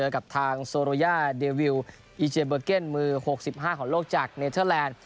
กับทางโซโรย่าเดวิวอีเจเบอร์เก็นมือ๖๕ของโลกจากเนเทอร์แลนด์